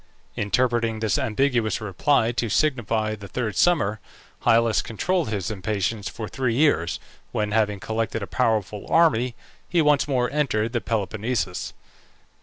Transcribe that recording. Interpreting this ambiguous reply to signify the third summer, Hyllus controlled his impatience for three years, when, having collected a powerful army, he once more entered the Peloponnesus.